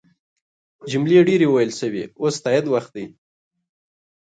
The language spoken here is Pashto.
جملې ډیرې ویل شوي اوس د تایید وخت دی.